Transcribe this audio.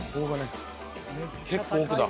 結構奥だ。